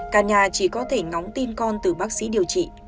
cả nhà chỉ có thể ngóng tin con từ bác sĩ điều trị